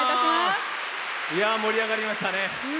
盛り上がりましたね。